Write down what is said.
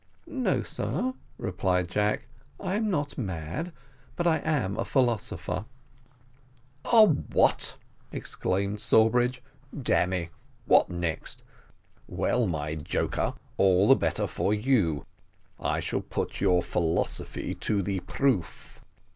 "No, sir," replied Jack, "I am not mad, but I am a philosopher." "A what?" exclaimed Sawbridge, "damme, what next? well, my joker, all the better for you; I shall put your philosophy to the proof."